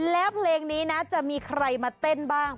แล้วเพลงนี้นะจะมีใครมาเต้นบ้าง